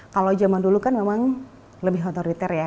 kalau zaman dulu kan memang lebih otoriter ya